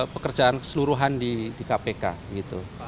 pekerjaan keseluruhan di kpk gitu